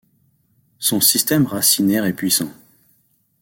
Son système racinaire est puissant.